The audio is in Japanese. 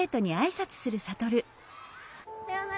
さようなら。